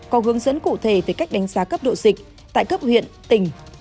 có hướng dẫn cụ thể về cách đánh giá cấp độ dịch tại cấp huyện tỉnh